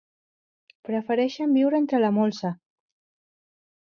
Prefereixen viure entre la molsa.